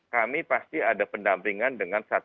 kami pasti ada pendampingan dengan satgas